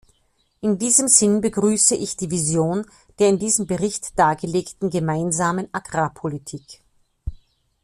In diesem Sinn begrüße ich die Vision der in diesem Bericht dargelegten Gemeinsamen Agrarpolitik.